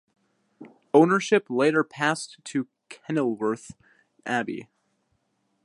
Ownership later passed to Kenilworth Abbey.